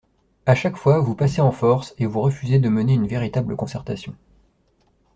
À chaque fois, vous passez en force, et vous refusez de mener une véritable concertation.